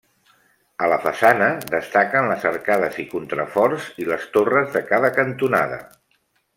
A la façana destaquen les arcades i contraforts i les torres de cada cantonada.